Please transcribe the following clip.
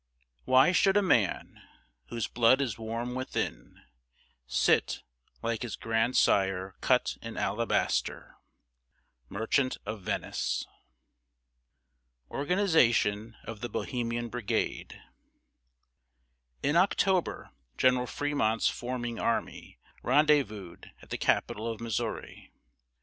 Why should a man, whose blood is warm within, Sit like his grandsire cut in alabaster? MERCHANT OF VENICE. In October, General Fremont's forming army rendezvoused at the capital of Missouri.